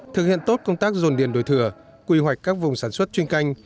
thực hiện tốt công tác dồn điền đổi thừa quy hoạch các vùng sản xuất chuyên canh